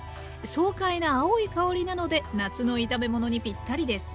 爽快な青い香りなので夏の炒め物にぴったりです。